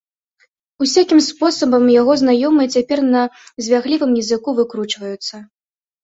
Усякім спосабам яго знаёмыя цяпер на звяглівым языку выкручваюцца.